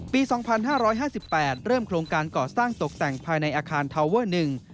ปี๒๕๕๘เริ่มโครงการก่อสร้างตกแต่งภายในอาคารทาวเวอร์๑